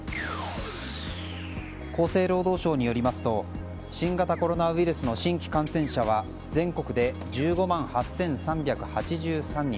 厚生労働省によりますと新型コロナウイルスの新規感染者は全国で１５万８３８３人